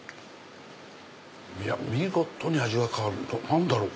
見事に味が変わる何だろう？